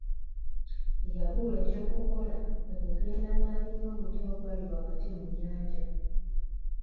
Yabulwa oky’okukola kwe kugenda n'alinnya omuti ogwali wakati mu nnyanja.